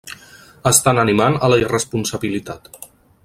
Estan animant a la irresponsabilitat.